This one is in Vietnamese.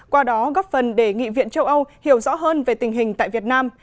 qua đó góp phần để nghị viện châu âu hiểu rõ hơn về tình hình tại việt nam